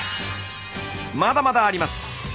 まだまだあります！